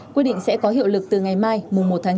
quyết định sẽ có hiệu lực từ ngày mai mùa một tháng chín